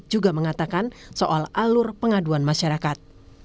juga mengatakan soal alur pengaduan masyarakat